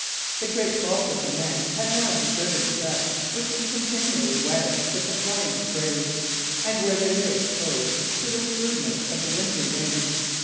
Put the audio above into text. The great bulk of the men had now deserted the deck, which was continually wetted with the flying sprays, and where they lay exposed to the shrewdness of the winter wind.